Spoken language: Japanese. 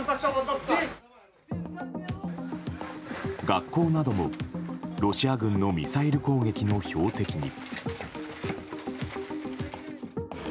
学校なども、ロシア軍のミサイル攻撃の標的に。